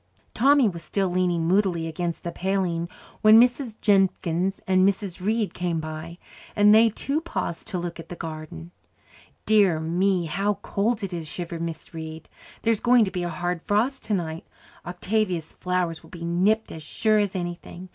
Tommy was still leaning moodily against the paling when Mrs. Jenkins and Mrs. Reid came by, and they too paused to look at the garden. "Dear me, how cold it is!" shivered Mrs. Reid. "There's going to be a hard frost tonight. Octavia's flowers will be nipped as sure as anything.